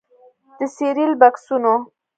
د سیریل بکسونو